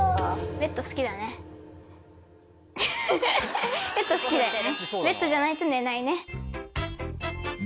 ベッドじゃないと寝ないね。